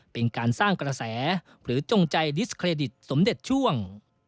เป็นการสร้างกระแสหรือจงใจดิสเครดิตสมเด็จช่วง